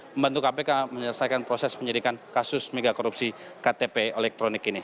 membantu kpk menyelesaikan proses penyelidikan kasus mega korupsi ktp elektronik ini